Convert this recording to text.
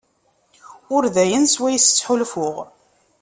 Ur d ayen swayes ttḥulfuɣ.